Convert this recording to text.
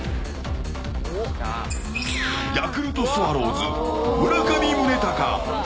ヤクルトスワローズ、村上宗隆。